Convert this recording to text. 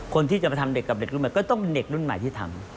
คนที่จะไปทำเด็กกับเด็กรุ่นใหม่ก็ต้องเป็นเด็กรุ่นใหม่ที่ทำ